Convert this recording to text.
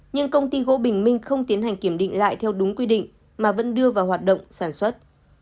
nhưng công ty gỗ bình minh không tiến hành kiểm định lại theo đúng quy định mà vẫn đưa vào hoạt động sản xuất